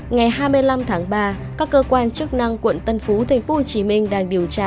ngày hai mươi năm tháng ba các cơ quan chức năng quận tân phú tp hcm đang điều tra